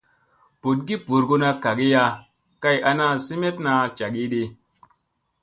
Booɗgi ɓorgona kagiya kay ana semeɗna cagiiɗi.